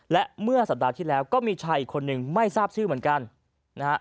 และเมื่อสัปดาห์ที่แล้วก็มีชายอีกคนนึงไม่ทราบชื่อเหมือนกันนะฮะ